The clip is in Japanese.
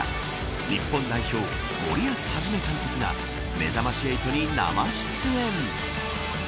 日本代表の森保一監督がめざまし８に生出演。